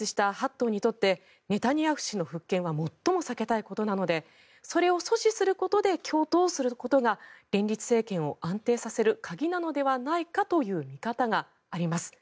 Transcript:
党にとってネタニヤフ氏の復権は最も避けたいことなのでそれを阻止することで共闘することが連立政権を安定させる鍵なのではないかという見方があります。